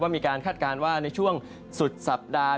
มีการคาดการณ์ว่าในช่วงสุดสัปดาห์